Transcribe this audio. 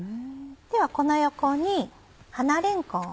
ではこの横に花れんこんを。